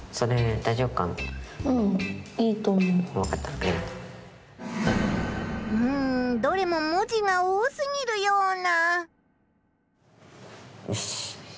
うんうんどれも文字が多すぎるような。